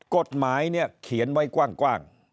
กฎหมายเนี่ยเขียนไว้กว้าง